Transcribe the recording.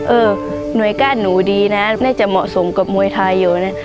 เออหน่วยก้านหนูดีนะน่าจะเหมาะสมกับมวยไทยอยู่นะ